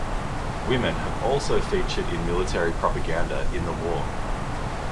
Women have also featured in military propaganda in the War.